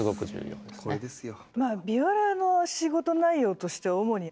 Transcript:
これですよ。